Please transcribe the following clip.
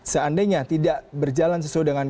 seandainya tidak berjalan sesuai dengan